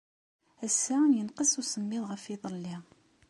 Ass-a, yenqes usemmiḍ ɣef yiḍelli.